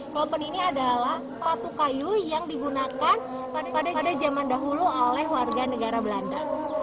klopen ini adalah sepatu kayu yang digunakan pada zaman dahulu oleh warga negara belanda